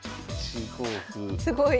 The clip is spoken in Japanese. すごい。